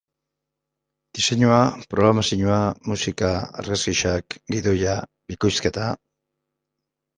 Diseinua, programazioa, musika, argazkiak, gidoia, bikoizketa...